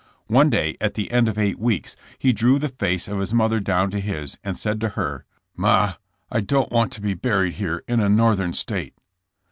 One day at the end of eight weeks he drew the face of his mother down to his and said to her :'^ Ma, I don 't want to be buried here in a North ern state."